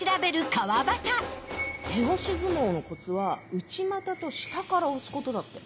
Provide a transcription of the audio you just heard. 手押し相撲のコツは内股と下から押すことだって。